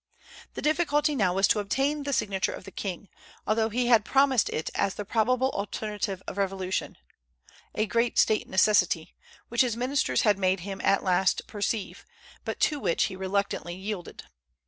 The difficulty now was to obtain the signature of the king, although he had promised it as the probable alternative of revolution, a great State necessity, which his ministers had made him at last perceive, but to which he reluctantly yielded.